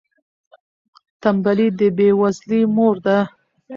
تنبلي د بې وزلۍ مور ده.